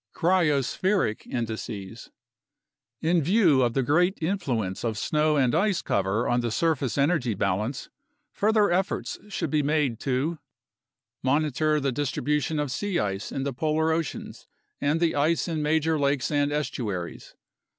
Cryospheric Indices In view of the great influence of snow and ice cover on the surface energy balance, further efforts should be made to Monitor the distribution of sea ice in the polar oceans and the ice in major lakes and estuaries.